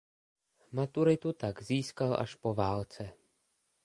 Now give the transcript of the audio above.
Maturitu tak získal až po válce.